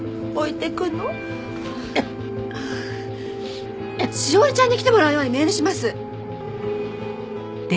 志生里ちゃんに来てもらうようにメールします。